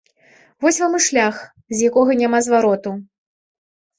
Вось вам і шлях, з якога няма звароту.